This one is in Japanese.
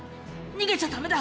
逃げちゃだめだ。